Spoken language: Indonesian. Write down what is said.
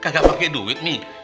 gak pakai duit nih